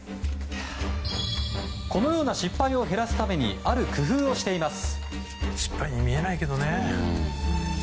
このような失敗を減らすためにある工夫をしています。